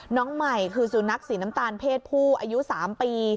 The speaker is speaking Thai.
น้องใหม่คือสุนัขสีน้ำตาลเพศผู้อายุ๓ปี